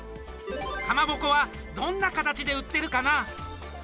かまぼこはどんな形で売ってるかな？